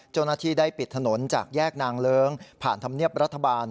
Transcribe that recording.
เจ้าหน้าที่ได้ปิดถนนจากแยกนางเลิ้งผ่านธรรมเนียบรัฐบาล